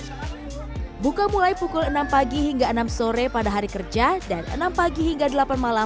taman lapangan banteng pembuka mulai enam pagi hingga enam sore pada hari kerja dan enam pagi hingga delapan malam pada akhir pekat